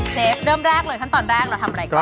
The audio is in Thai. เชฟเริ่มแรกเลยขั้นตอนแรกเราทำอะไรก่อน